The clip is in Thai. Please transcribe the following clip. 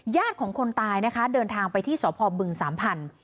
ของคนตายนะคะเดินทางไปที่สพบึงสามพันธุ